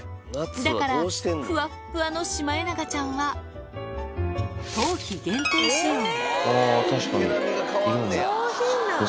だから、ふわっふわのシマエナガちゃんは、確かに。